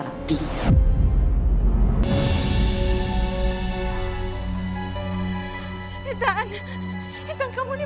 saya méh mending karena itu